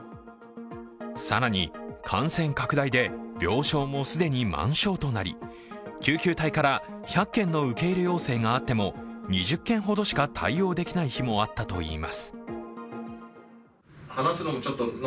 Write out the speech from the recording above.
更に、感染拡大で病床も既に満床となり救急隊から１００件の受け入れ要請があっても２０件ほどしか対応できない日もあったといいます。